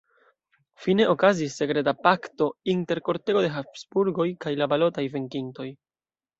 Fine okazis sekreta pakto inter kortego de Habsburgoj kaj la balotaj venkintoj.